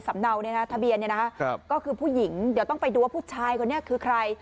อ้าวใจ